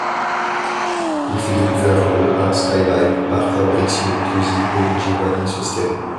Il fut découvert le à Skylive par Fabrizio Tozzi et Giovanni Sostero.